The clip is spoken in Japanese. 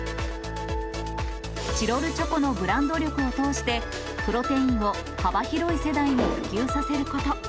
チロルチョコのブランド力を通して、プロテインを幅広い世代に普及させること。